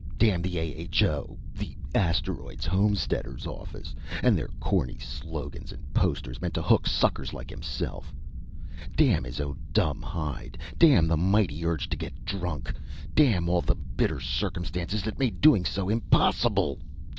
Damn the A.H.O. the Asteroids Homesteaders Office and their corny slogans and posters, meant to hook suckers like himself! Damn his own dumb hide! Damn the mighty urge to get drunk! Damn all the bitter circumstances that made doing so impossible.